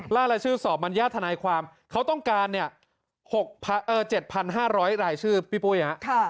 ลายชื่อสอบบรรยาทนายความเขาต้องการเนี่ย๗๕๐๐รายชื่อพี่ปุ้ยฮะ